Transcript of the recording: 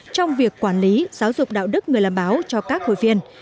trong việc quản lý giáo dục đạo đức người làm báo cho các hội viên